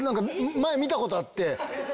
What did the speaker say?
「前見た事あって」？